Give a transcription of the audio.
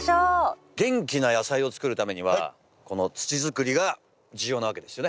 元気な野菜を作るためにはこの土づくりが重要なわけですよね？